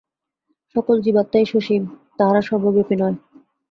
সকল জীবাত্মাই সসীম, তাহারা সর্বব্যাপী নয়।